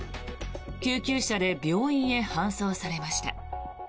救急車で病院へ搬送されました。